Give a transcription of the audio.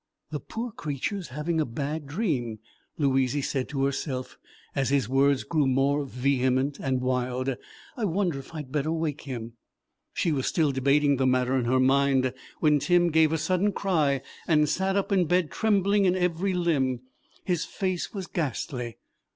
"The poor creature's having a bad dream," Louizy said to herself, as his words grew more vehement and wild. "I wonder if I'd better wake him." She was still debating the matter in her mind when Tim gave a sudden cry and sat up in bed, trembling in every limb. His face was ghastly.